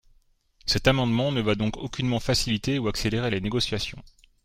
Cet amendement ne va donc aucunement faciliter ou accélérer les négociations.